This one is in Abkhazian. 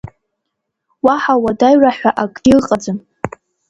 Уаҳа уадаҩра ҳәа акгьы ыҟаӡам.